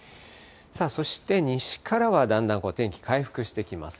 そして西からはだんだん天気回復してきます。